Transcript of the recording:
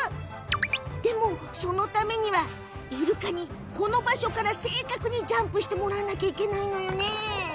でも、そのためにはイルカにこの場所から正確にジャンプしてもらうのが必要なのよね。